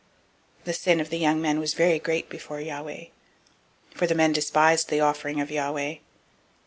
002:017 The sin of the young men was very great before Yahweh; for the men despised the offering of Yahweh.